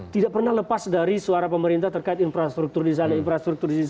tidak pernah lepas dari suara pemerintah terkait infrastruktur di sana infrastruktur di sana